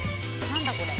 何だこれ？